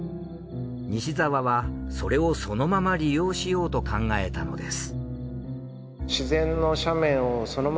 西沢はそれをそのまま利用しようと考えたのです。